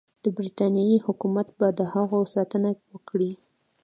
د برټانیې حکومت به د هغوی ساتنه وکړي.